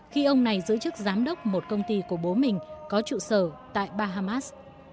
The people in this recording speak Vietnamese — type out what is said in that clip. khi ông này giữ chức giám đốc một công ty của bố mình có trụ sở tại bahamas